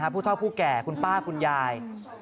ผู้เท่าผู้แก่คุณป้าคุณยาย